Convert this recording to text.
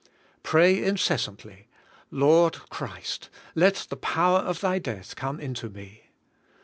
Pray incessantly: "Lord Christ, let the power of Thy death come into me."